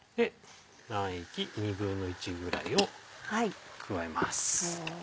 卵液１／２ぐらいを加えます。